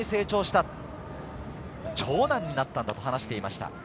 長男になったんだと話していました。